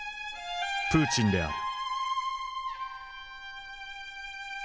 プーチンである。